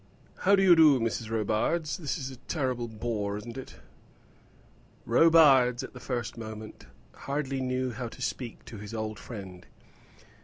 How do you do, Mrs. Robarts? This is a terrible bore, isn't it?" Robarts, at the first moment, hardly knew how to speak to his old friend.